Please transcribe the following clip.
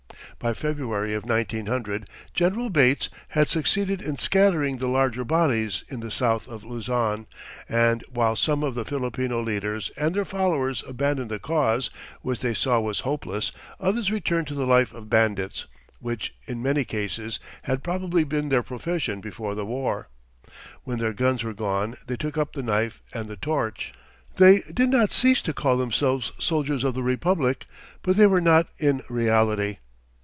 By February of 1900, General Bates had succeeded in scattering the larger bodies in the south of Luzon, and while some of the Filipino leaders and their followers abandoned the cause, which they saw was hopeless, others returned to the life of bandits, which in many cases had probably been their profession before the war. When their guns were gone they took up the knife and the torch. They did not cease to call themselves soldiers of the republic, but they were not in reality.